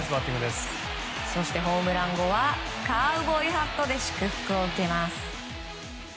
そしてホームラン後はカウボーイハットで祝福を受けます。